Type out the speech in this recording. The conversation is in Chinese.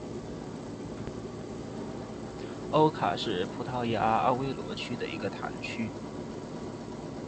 欧卡是葡萄牙阿威罗区的一个堂区。